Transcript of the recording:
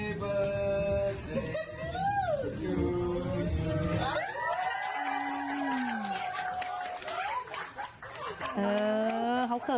สวัสดีครับ